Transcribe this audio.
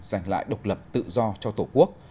dành lại độc lập tự do cho tổ quốc